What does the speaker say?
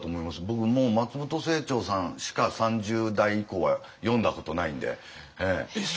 僕もう松本清張さんしか３０代以降は読んだことないんで。えっ！？